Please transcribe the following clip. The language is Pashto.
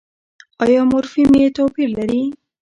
ایا مورفیم يې توپیر لري؟